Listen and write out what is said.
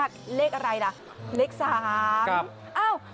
สินค้า